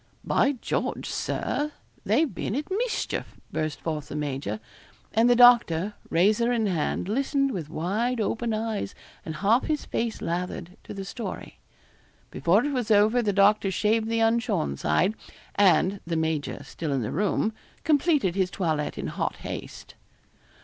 'By George, Sir, they've been at mischief,' burst forth the major; and the doctor, razor in hand, listened with wide open eyes and half his face lathered, to the story. Before it was over the doctor shaved the unshorn side, and (the major still in the room) completed his toilet in hot haste.